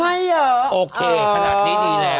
ให้เยอะโอเคขนาดนี้ดีแล้ว